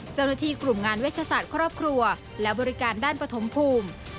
เจ้าหน้าที่กลุ่มงานเวชศาสตร์ครอบครัวและบริการด้านปฐมภูมิ